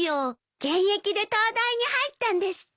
現役で東大に入ったんですって。